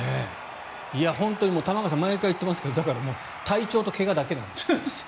玉川さん毎回言っていますが体調と怪我だけなんです。